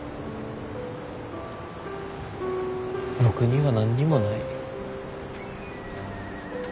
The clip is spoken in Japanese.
僕には何にもない。